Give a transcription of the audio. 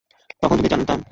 তখন যদি জানিতাম!